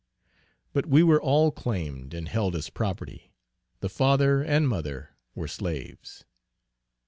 But we were all claimed and held as property; the father and mother were slaves!